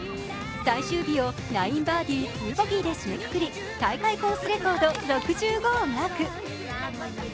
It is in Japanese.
最終日を９バーディー・２ボギーで締めくくり大会コースレコード６５をマーク。